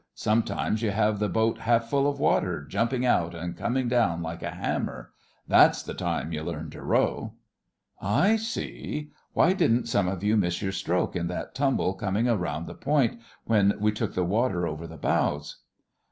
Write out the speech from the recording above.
Sometimes you have the boat half full of water, jumping out and coming down like a hammer. That's the time you learn to row.' 'I see. Why didn't some of you miss your stroke in that tumble coming round the point when we took the water over the bows?